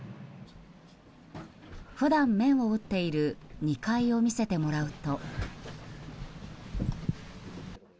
普段、麺を打っている２階を見せてもらうと。